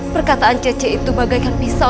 perkataan cece itu bagaikan pisau